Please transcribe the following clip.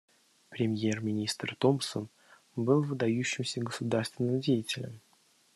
Премьер-министр Томпсон был выдающимся государственным деятелем.